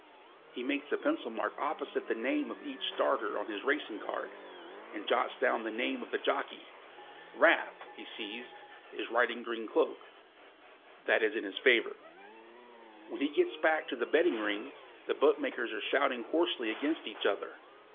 He makes a pencil mark opposite the name of each starter on his racing card, and jots down the name of the jockey. Raff, he sees, is riding Green Cloak. That is in its favour. When he gets back to the betting ring, the bookmakers are shouting hoarsely against each other.